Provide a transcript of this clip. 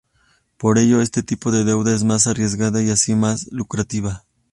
Por ello este tipo de deuda es más arriesgado y así más lucrativo.